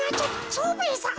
蝶兵衛さま。